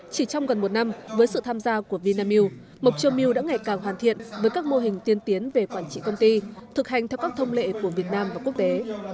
chỉ trong gần một năm với sự tham gia của vinamilk mộc châu milk đã ngày càng hoàn thiện với các mô hình tiên tiến về quản trị công ty thực hành theo các thông lệ của việt nam và quốc tế